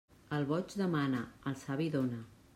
El boig demana, el savi dóna.